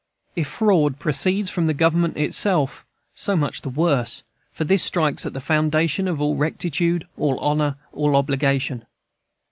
If fraud proceeds from Government itself, so much the worse, for this strikes at the foundation of all rectitude, all honor, all obligation.